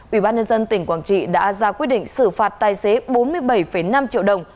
ubnd tỉnh quảng trị đã ra quyết định xử phạt tài xế bốn mươi bảy năm triệu đồng